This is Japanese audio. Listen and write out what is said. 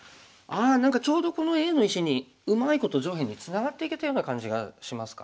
あ何かちょうどこのＡの石にうまいこと上辺にツナがっていけたような感じがしますか。